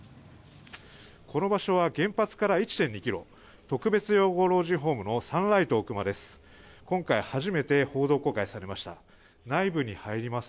この場所は原発から１．２ｋｍ特別養護老人ホームのサンライトおおくまです。